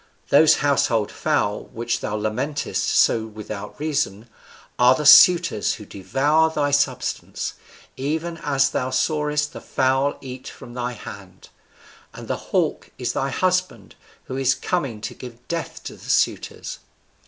Those household fowl, which thou lamentest so without reason, are the suitors who devour thy substance, even as thou sawest the fowl eat from thy hand; and the hawk is thy husband, who is coming to give death to the suitors.'